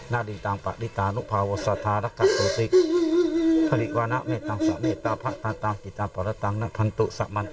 มีอะไรใส่ไหม